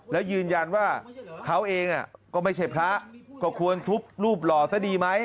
แล้วยืนยันว่าเขาเองก็ไม่ใช่พระก็ควรทุบรูปหล่อซะดีไหม